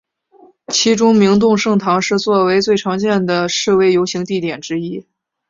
其中明洞圣堂是作为最常见的示威游行地点之一。